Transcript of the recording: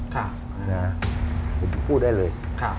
พี่พี่พวกพูดได้เลย